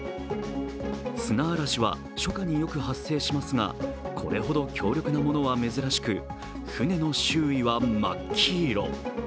砂嵐は初夏によく発生しますがこれほど強力なものは珍しく船の周囲は真っ黄色。